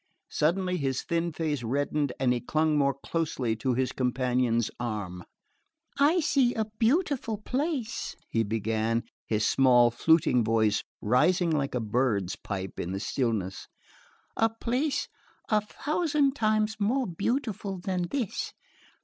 Suddenly his thin face reddened and he clung more closely to his companion's arm. "I see a beautiful place," he began, his small fluting voice rising like a bird's pipe in the stillness, "a place a thousand times more beautiful than this...